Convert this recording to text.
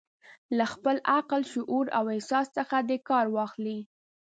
له خپل عقل، شعور او احساس څخه دې کار واخلي.